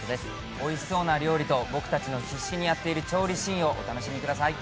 おいしそうな料理と僕たちが必死にやっている料理シーンをご覧ください。